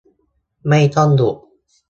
ไม่ต้องหยุด